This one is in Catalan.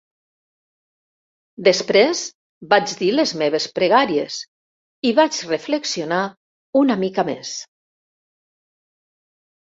Després vaig dir les meves pregàries i vaig reflexionar una mica més.